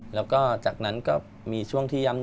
แล้วก็จากนั้นก็มีช่วงที่ย่ำ